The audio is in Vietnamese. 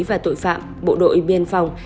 và tội phạm bộ đội biên phòng